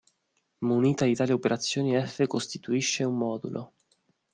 Munita di tali operazioni F costituisce un modulo.